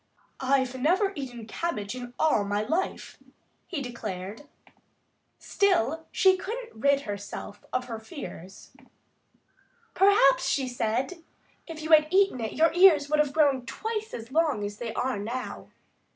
"I've never eaten cabbage in all my life," he declared. Still she couldn't rid herself of her fears. "Perhaps," she said, "if you had eaten it your ears would have grown twice as long as they are now."